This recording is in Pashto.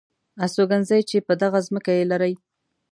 استوګنځي چې په دغه ځمکه یې لرئ .